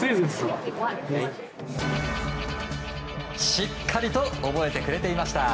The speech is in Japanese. しっかりと覚えてくれていました。